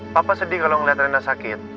papa sedih kalau ngeliat rena sakit